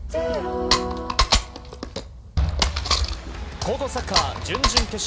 高校サッカー準々決勝。